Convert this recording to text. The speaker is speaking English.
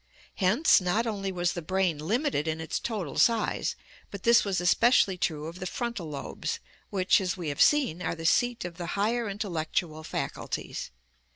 Hence not only was the brain limited in its total size, but this was especially true of the frontal lobes, which, as we have seen, are the seat of the higher intellectual faculties.